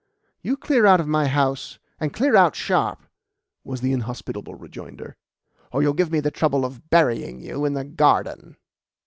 "You clear out of my house, and clear out sharp," was the inhospitable rejoinder, "or you'll give me the trouble of burying you in the garden."